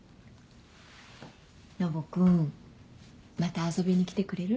ノブ君また遊びに来てくれる？